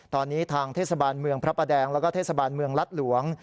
ตอนนี้ทางเทศบาลเมืองพระประแดงแล้วก็เทศบาลเมืองรัฐหลวง